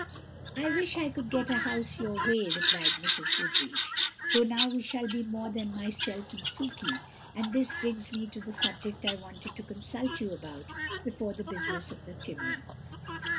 "I wish I could get a house your way," replied Mrs. Goodriche; "though now we shall be more than myself and Sukey; and this brings me to the subject I wanted to consult you about before the business of the chimney."